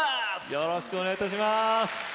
よろしくお願いします。